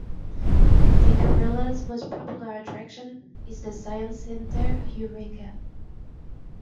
Tikkurila's most popular attraction is the science center Heureka.